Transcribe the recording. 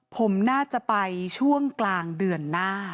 ผมน่าจะไปช่วงกลางเดือนหน้า